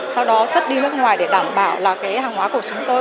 sau đó xuất đi nước ngoài để đảm bảo là cái hàng hóa của chúng tôi